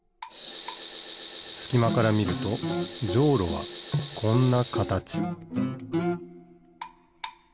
すきまからみるとじょうろはこんなかたち